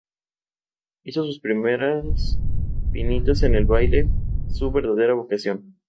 Hizo sus primeros pinitos en el baile, su verdadera vocación.